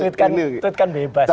tuitkan bebas pak